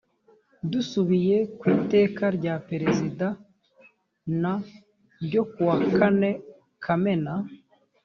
dusubiye ku iteka rya perezida n ryo ku wa kane kamena